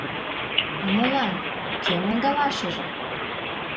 А молан, кӧм ондалашыже?